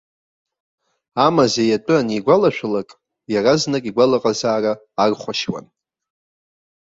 Амазеи атәы анигәалашәалак, иаразнак игәалаҟазаара архәашьуан.